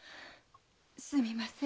すみません。